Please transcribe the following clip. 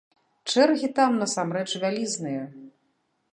Чэргі там насамрэч вялізныя.